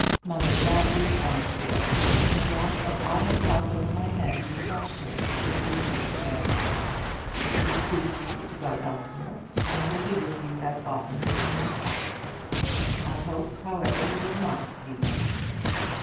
"Mother, that is unfair. As long as I have a house over my head, you shall share it, if you please to do so. If it suits you to go elsewhere, I will be with you as often as may be possible. I hope, however, you will not leave us."